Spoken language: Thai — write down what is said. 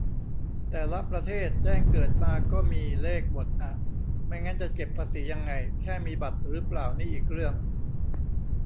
แต่ละประเทศ แจ้งเกิดมาก็มีเลขหมดอะ ไม่งั้นจะเก็บภาษียังไง แค่มีบัตรหรือเปล่านี่อีกเรื่อง